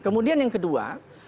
kemudian yang kedua